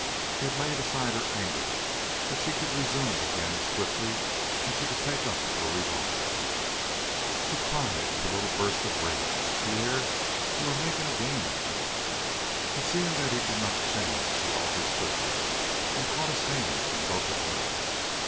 She had laid aside her anger, but she could resume it again as swiftly as she could take up her revolver. She cried with a little burst of rage: "Pierre, you are making a game of me!" But seeing that he did not change she altered swiftly and caught his hand in both of hers.